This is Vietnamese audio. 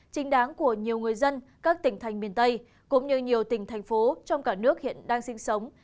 chính đáng của nhiều người dân các tỉnh thành miền tây cũng như nhiều tỉnh thành phố trong cả nước hiện đang sinh sống